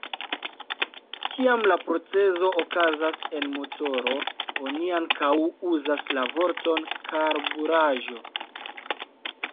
Kiam la procezo okazas en motoro, oni ankaŭ uzas la vorton karburaĵo.